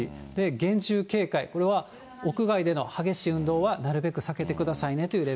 厳重警戒、これは屋外での激しい運動はなるべく避けてくださいねというレベ